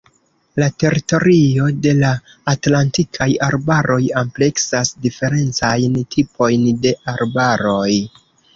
La teritorio de la Atlantikaj arbaroj ampleksas diferencajn tipojn de arbaroj.